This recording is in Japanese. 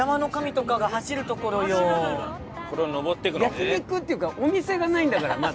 焼肉っていうかお店がないんだからまだ。